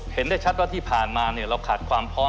เห็นได้ชัดว่าที่ผ่านมาเราขาดความพร้อม